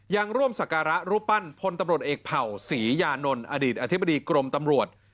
ยังร่วมสักการะรูปปั้นพลตำรวจเอกเผ่าศรียานนท์อดีตอธิบดีกรมตำรวจ